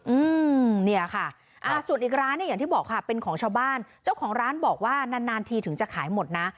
อืมเนี่ยค่ะอ่าส่วนอีกร้านเนี่ยอย่างที่บอกค่ะเป็นของชาวบ้านเจ้าของร้านบอกว่านานนานทีถึงจะขายหมดนะ